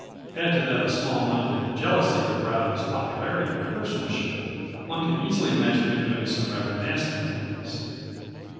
Add to that a smallminded jealousy of Rowdy's popularity and horsemanship, one can easily imagine him doing some rather nasty things.